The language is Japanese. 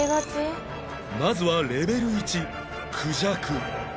まずはレベル１クジャク